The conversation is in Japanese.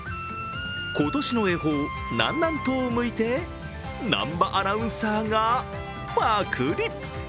今年の恵方、南南東を向いて南波アナウンサーがぱくり。